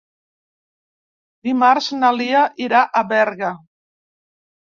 Dimarts na Lia irà a Berga.